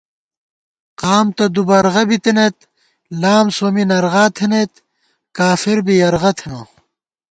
قام تہ دُوبرغہ بِتَنَئیت، لام سومّی نرغا تھنَئیت، کافر بی یرغہ تھنہ